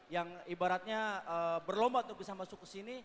yang ibaratnya berlomba untuk bisa masuk ke sini